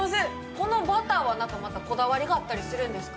このバターはまた何かこだわりがあったりするんですか？